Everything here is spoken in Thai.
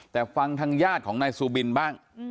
แต่ฟังทางญาติของนายซูบินบ้าง